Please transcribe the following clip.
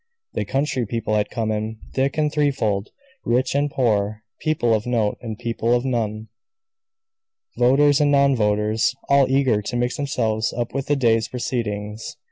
The country people had come in, thick and threefold; rich and poor; people of note, and people of none; voters and non voters, all eager to mix themselves up with the day's proceedings.